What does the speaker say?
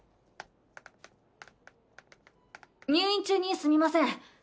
入院中にすみません。